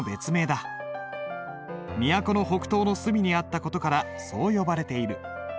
都の北東の隅にあった事からそう呼ばれている。